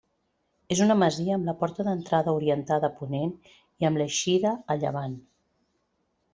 És una masia amb la porta d'entrada orientada a ponent i amb l'eixida a llevant.